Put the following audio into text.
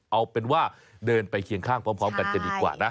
เอาเป็นว่าเดินไปเคียงข้างพร้อมกันจะดีกว่านะ